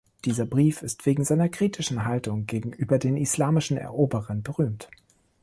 Dieser Brief ist wegen seiner kritischen Haltung gegenüber den islamischen Eroberern berühmt.